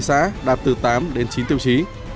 tám xã đạt từ tám đến chín tiêu chí